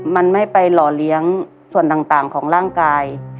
มันไม่ไปหล่อเลี้ยงส่วนต่างของร่างกาย